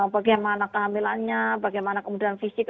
bagaimana kehamilannya bagaimana kemudian fisik